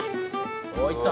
「おっいった」